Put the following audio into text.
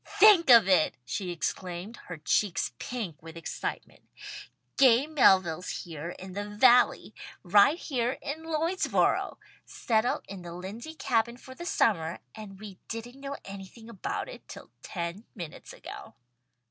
"Think of it!" she exclaimed, her cheeks pink with excitement. "Gay Melville's here in the Valley! Right here in Lloydsboro! Settled in the Lindsey Cabin for the summer, and we didn't know anything about it till ten minutes ago."